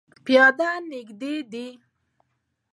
پیاده نږدې دی